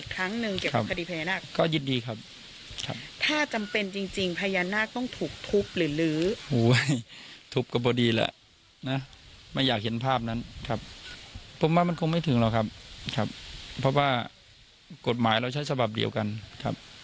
ถึงเราครับเพราะว่ากฎหมายเราใช้สภาพเดียวกันครับ